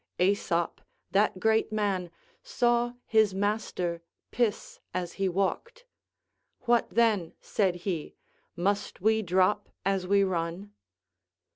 AEsop, that great man, saw his master piss as he walked: "What then," said he, "must we drop as we run?"